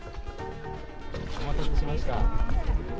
お待たせしました。